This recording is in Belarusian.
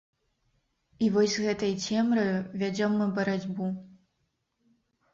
І вось з гэтай цемраю вядзём мы барацьбу.